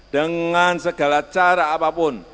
dengan segala cara apapun